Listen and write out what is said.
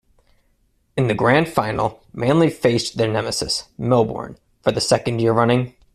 In the Grand Final, Manly faced their nemesis Melbourne for the second year running.